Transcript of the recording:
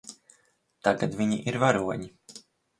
Tagad viņi ir varoņi.